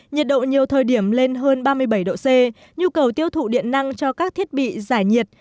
nhiệt độ nhiều thời điểm lên hơn ba mươi bảy độ c nhu cầu tiêu thụ điện năng cho các thiết bị giải nhiệt